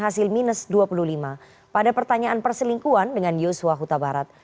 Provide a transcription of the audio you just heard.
hasil minus dua puluh lima pada pertanyaan perselingkuhan dengan yosua huta barat